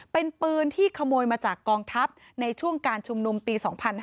เป็นปืนที่ขโมยมาจากกองทัพในช่วงการชุมนุมปี๒๕๕๙